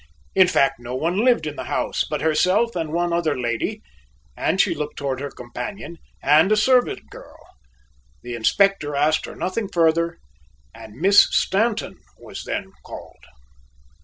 In fact no one lived in the house but herself and one other lady and she looked toward her companion, and a servant girl. The Inspector asked her nothing further, and Miss Stanton was then called.